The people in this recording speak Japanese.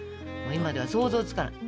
今では想像つかない。